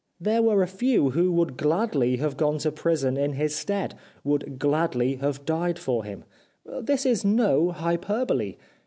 There were a few who would gladly 364 The Life of Oscar Wilde have gone to prison in his stead, would gladly have died for him. This is no hyperbole.